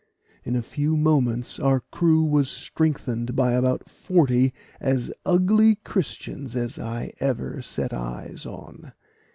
In a few moments our crew was strengthened by about forty as ugly Christians as I ever set eyes on.